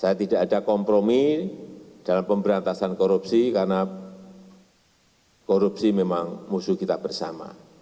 saya tidak ada kompromi dalam pemberantasan korupsi karena korupsi memang musuh kita bersama